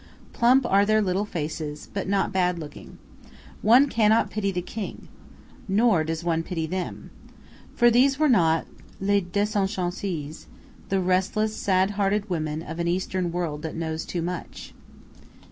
Plump are their little faces, but not bad looking. One cannot pity the king. Nor does one pity them. For these were not "Les desenchantees," the restless, sad hearted women of an Eastern world that knows too much.